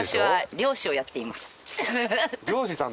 漁師さん！